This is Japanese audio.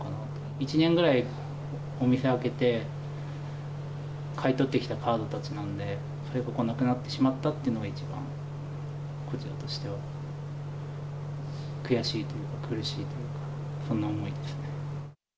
１年ぐらい、お店開けて、買い取ってきたカードたちなんで、それがなくなってしまったっていうのは、こちらとしては悔しいというか、苦しいというか、そんな思いですね。